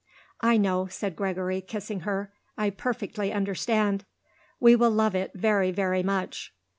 "I know," said Gregory, kissing her. "I perfectly understand. We will love it very, very much.